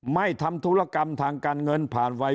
ไม่ทำธุรกรรมทางการเงินผ่านวัย